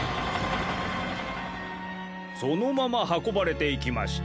そのままはこばれていきました。